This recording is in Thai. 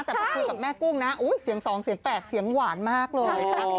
แต่พอคุยกับแม่กุ้งนะเสียง๒เสียง๘เสียงหวานมากเลย